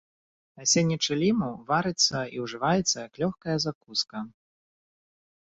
Насенне чыліму варыцца і ўжываецца як лёгкая закуска.